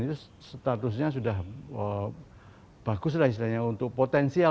itu statusnya sudah bagus lah istilahnya untuk potensial